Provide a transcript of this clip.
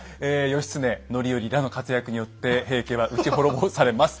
義経範頼らの活躍によって平家は打ち滅ぼされます。